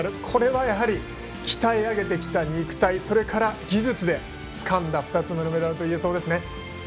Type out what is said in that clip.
これは、やはり鍛え上げてきた肉体それから、技術でつかんだ２つ目のメダルといえそうですね。